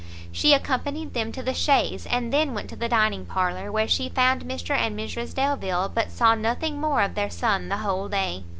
She accompanied them to the chaise, and then went to the dining parlour, where she found Mr and Mrs Delvile, but saw nothing more of their son the whole day.